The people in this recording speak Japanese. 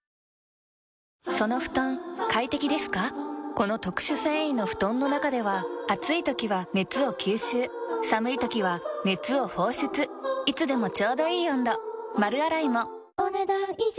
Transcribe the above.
この特殊繊維の布団の中では暑い時は熱を吸収寒い時は熱を放出いつでもちょうどいい温度丸洗いもお、ねだん以上。